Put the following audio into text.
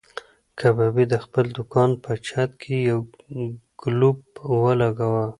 کبابي د خپل دوکان په چت کې یو ګلوب ولګاوه.